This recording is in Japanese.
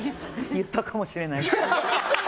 言ったかもしれない。